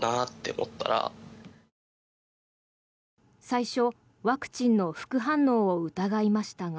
最初、ワクチンの副反応を疑いましたが。